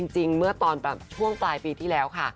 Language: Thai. เมื่อตอนช่วงปลายปีที่แล้วค่ะ